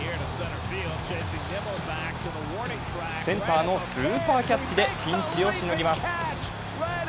センターのスーパーキャッチでピンチをしのぎます。